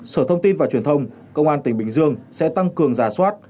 sở thông tin và truyền thông công an tỉnh bình dương sẽ tăng cường giả soát